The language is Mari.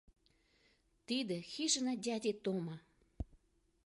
— Тиде «Хижина дяди Тома»